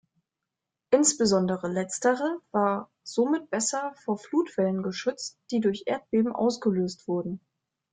Insbesondere Letztere war somit besser vor Flutwellen geschützt, die durch Erdbeben ausgelöst wurden.